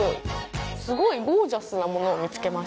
すごいゴージャスなものを見つけました。